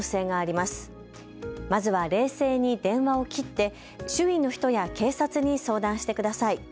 まずは冷静に電話を切って周囲の人や警察に相談してください。